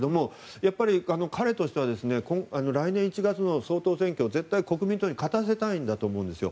やっぱり彼としては来年１月の総統選挙で絶対に国民党に勝たせたいんだと思うんですよ。